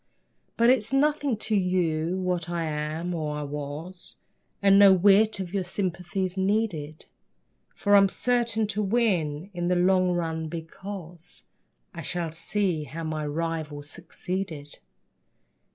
But it's nothing to you what I am, or I was, And no whit of your sympathy's needed, For I'm certain to win in the long run, because I shall see how my rival succeeded.